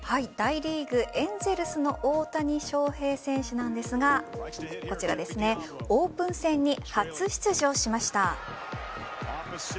大リーグ・エンゼルスの大谷翔平選手なんですがオープン戦に初出場しました。